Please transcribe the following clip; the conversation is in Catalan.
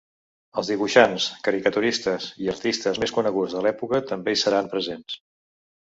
Els dibuixants, caricaturistes i artistes més coneguts de l’època també hi seran presents.